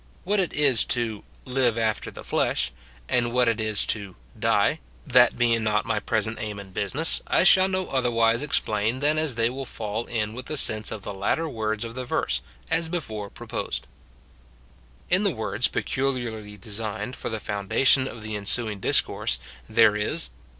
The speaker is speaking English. What it is to " live after the flesh," and what it is to " die," that being not my present aim and business, I shall no otherwise explain than as they will fall in with the sense of the latter words of the verse, as before proposed. In the words peculiarly designed for the foundation of the ensuing discourse, there is.